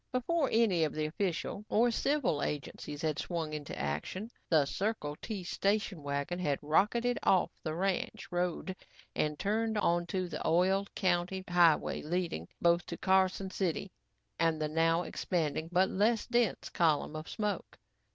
Before any of the official or civil agencies had swung into action, the Circle T station wagon had rocketed off the ranch road and turned onto the oiled, county highway leading both to Carson City and the now expanding but less dense column of smoke.